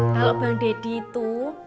kalau bang deddy itu